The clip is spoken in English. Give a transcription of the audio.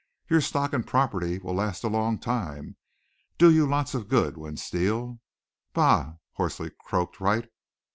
"Your stock and property will last a long time do you lots of good when Steele " "Bah!" hoarsely croaked Wright.